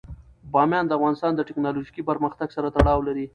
بامیان د افغانستان د تکنالوژۍ پرمختګ سره تړاو لري.